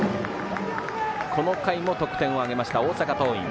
この回も得点を挙げました大阪桐蔭。